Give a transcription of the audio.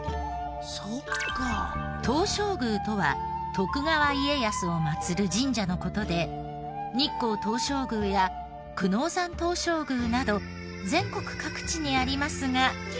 東照宮とは徳川家康を祭る神社の事で日光東照宮や久能山東照宮など全国各地にありますが。